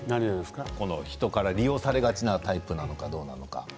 人から利用されがちなタイプなのかどうか。